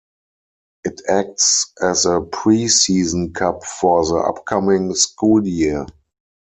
It acts as a pre-season cup for the upcoming school year.